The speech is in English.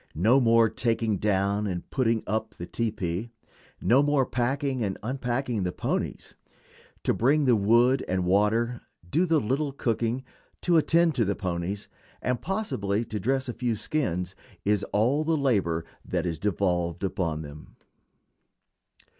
No more taking down and putting up the tepee; no more packing and unpacking the ponies. To bring the wood and water, do the little cooking, to attend to the ponies, and possibly to dress a few skins is all the labor devolved upon them.